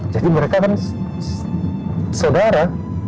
jadi mereka kan saudara